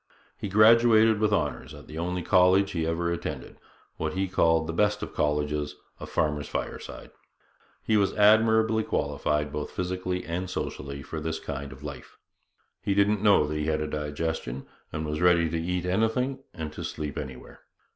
He graduated with honours at the only college he ever attended what he called 'the best of colleges a farmer's fireside.' He was admirably qualified physically and socially for this kind of life. He didn't know that he had a digestion, and was ready to eat anything and to sleep anywhere.